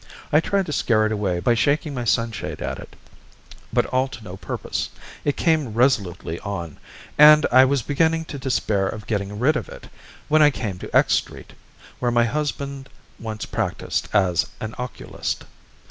I tried to scare it away by shaking my sunshade at it, but all to no purpose it came resolutely on; and I was beginning to despair of getting rid of it, when I came to X Street, where my husband once practised as an oculist.